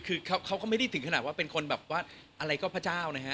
คือเขาก็ไม่ได้ถึงขนาดว่าเป็นคนแบบว่าอะไรก็พระเจ้านะฮะ